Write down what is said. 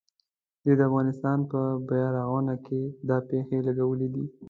دوی د افغانستان پر بیارغونه دا پیسې لګولې دي.